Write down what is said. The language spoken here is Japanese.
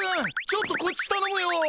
ちょっとこっちたのむよ！